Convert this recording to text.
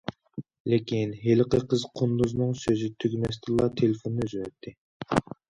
لېكىن، ھېلىقى قىز قۇندۇزنىڭ سۆزى تۈگىمەستىنلا، تېلېفوننى ئۈزۈۋەتتى.